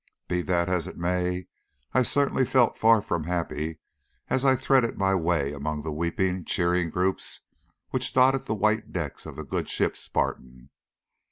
Be that as it may, I certainly felt far from happy as I threaded my way among the weeping, cheering groups which dotted the white decks of the good ship Spartan.